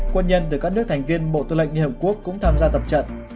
quân nhân từ các nước thành viên bộ tư lệnh liên hợp quốc cũng tham gia tập trận